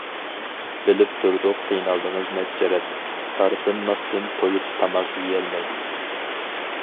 بىلىپ تۇردۇق قىينالدىڭىز نەچچە رەت، تارتىنماستىن تويۇپ تاماق يېيەلمەي.